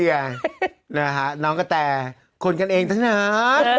นะฮะน้องกระแต่คนกันเองทั้งนั้น